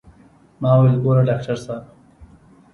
ما وويل ګوره ډاکتر صاحب.